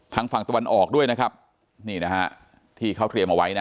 ทางฝั่งตะวันออกด้วยนะครับนี่นะฮะที่เขาเตรียมเอาไว้นะ